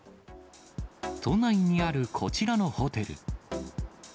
都内にあるこちらのホテル。